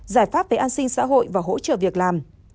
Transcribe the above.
giải pháp về an sinh xã hội và hỗ trợ việc làm